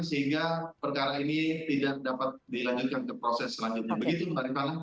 sehingga perkara ini tidak dapat dilanjutkan ke proses selanjutnya begitu mbak rifana